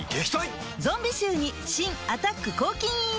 ゾンビ臭に新「アタック抗菌ＥＸ」